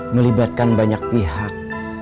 melibatkan banyak pihak